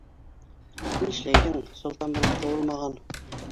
- Нишләйһең - солтан булып тыуылмаған.